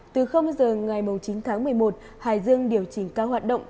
từ giờ ngày chín tháng một mươi một hải dương điều chỉnh các hoạt động